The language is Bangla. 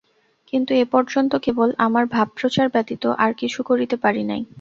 কিন্তু এ পর্যন্ত কেবল আমার ভাবপ্রচার ব্যতীত আর কিছু করিতে পারি নাই।